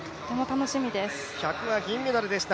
１００は銀メダルでした。